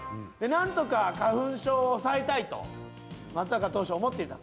なんとか花粉症を抑えたいと松坂投手思っていた。